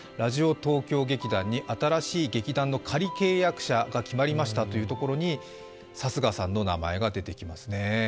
東京劇団に新しい劇団の仮契約者が決まりましたというところに貴家さんの名前が出てきますね。